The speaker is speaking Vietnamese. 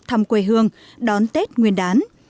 thăm quê hương đón tết nguyên đán